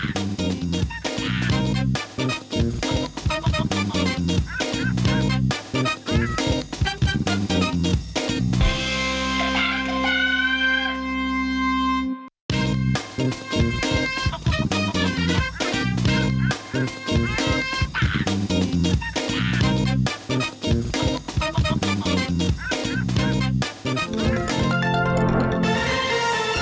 โปรดติดตามตอนต่อไป